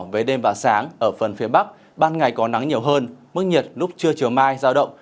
về đêm và sáng ở phần phía bắc ban ngày có nắng nhiều hơn mức nhiệt lúc trưa chiều mai giao động